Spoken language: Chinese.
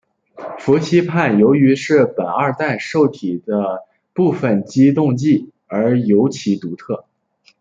氟西泮由于是苯二氮受体的部分激动剂而尤其独特。